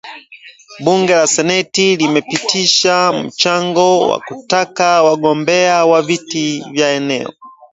Bunge la seneti limepitisha mswada wa kutaka wagombea wa viti vya eneo